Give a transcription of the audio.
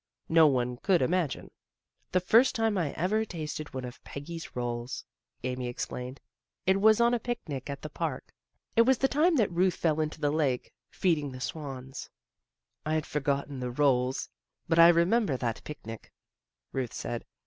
No one could imagine. " The first time I ever tasted one of Peggy's rolls," Amy explained, " it was on a picnic at the Park. It was the time that Ruth fell into the lake, feeding the swans." " I'd forgotten the rolls, but I remember that picnic," Ruth said.